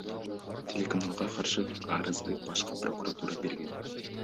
Телеканалга каршы арызды Башкы прокуратура берген.